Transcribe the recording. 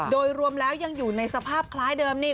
โดยรวมแล้วยังอยู่ในสภาพคล้ายเดิมนี่